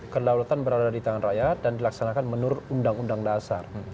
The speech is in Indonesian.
kedaulatan berada di tangan rakyat dan dilaksanakan menurut undang undang dasar